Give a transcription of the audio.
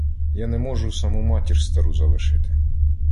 я не можу саму матір стару залишити.